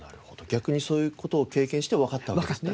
逆にそういう事を経験してわかったわけですね。